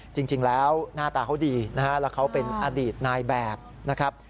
จริงแล้วหน้าตาเขาดีนะฮะแล้วเขาเป็นอดีตนายแบบนะครับ